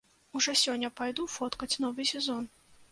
Ужо сёння пайду фоткаць новы сезон.